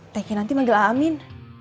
teh kek nanti manggil aamin